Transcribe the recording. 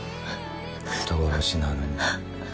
人殺しなのに。